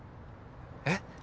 えっ